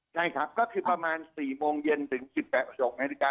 ใช่ครับก็คือประมาณ๔โมงเย็นถึง๑๘๖นาฬิกา